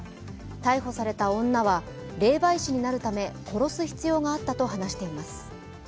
逮捕された女は、霊媒師になるため殺す必要があったと話しています。